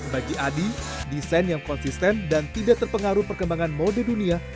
bagi adi desain yang konsisten dan tidak terpengaruh perkembangan mode dunia